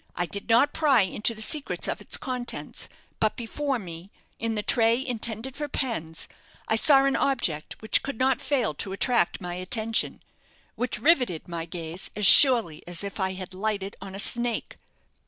I did not pry into the secrets of its contents; but before me, in the tray intended for pens, I saw an object which could not fail to attract my attention which riveted my gaze as surely as if I had 'lighted on a snake."